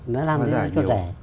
nó làm cho rẻ